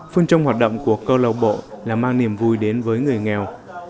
phương trong hoạt động của câu lạc bộ là mang niềm vui đến với người nghèo